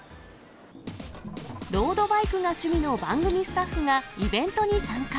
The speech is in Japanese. ロードバイクが趣味の番組スタッフが、イベントに参加。